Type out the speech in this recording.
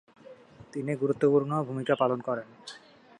তিনি গুরুত্বপূর্ণ ভূমিকা পালন করেন।